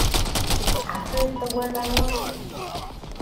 Is 'acrid' the word I want?